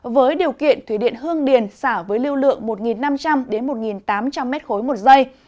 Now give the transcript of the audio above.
với điều kiện thủy điện hương điền xả với lưu lượng một năm trăm linh một tám trăm linh m ba một giây